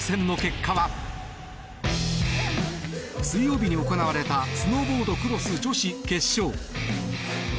水曜日に行われたスノーボードクロス女子決勝。